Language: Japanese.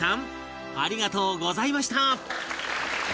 芦田：ありがとうございました。